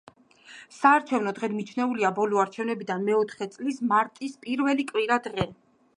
საარჩევნო დღედ მიჩნეულია ბოლო არჩევნებიდან მეოთხე წლის მარტის პირველი კვირა დღე.